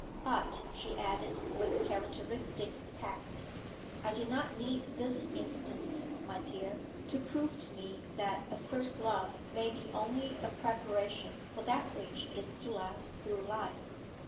'But,' she added, with characteristic tact, 'I did not need this instance, my dear, to prove to me that a first love may be only a preparation for that which is to last through life.